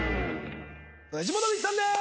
藤本美貴さんです！